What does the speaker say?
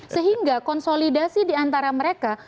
sehingga konsolidasi diantara mereka